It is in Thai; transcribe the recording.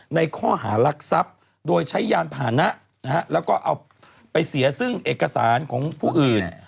ในข้อหารักทรัพย์โดยใช้ยานผ่านนะแล้วก็เอาไปเสียซึ่งเอกสารของผู้อื่น